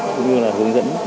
cũng như là hướng dẫn